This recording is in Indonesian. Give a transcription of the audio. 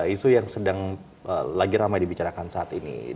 isu yang sedang lagi ramai dibicarakan saat ini